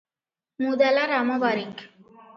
ମୁଦାଲା Ram Barik.